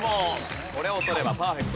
これを取ればパーフェクト。